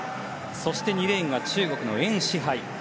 そして２レーンは中国のエン・シハイ。